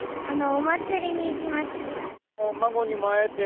お祭りに行きました。